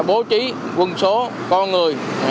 bố trí quân số con người